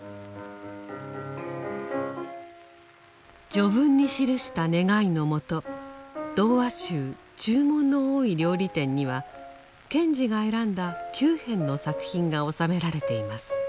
序文に記した願いのもと童話集「注文の多い料理店」には賢治が選んだ９編の作品が収められています。